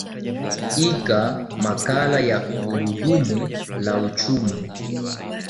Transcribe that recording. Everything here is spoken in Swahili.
ika makala ya gurudumu la uchumi